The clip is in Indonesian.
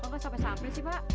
kok gak sampai sampai sih pak